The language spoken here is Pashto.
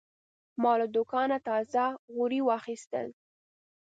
ما له دوکانه تازه غوړي واخیستل.